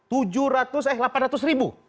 tujuh ratus eh delapan ratus ribu